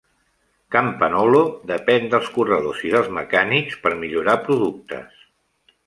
Campagnolo depèn dels corredors i dels mecànics per millorar productes.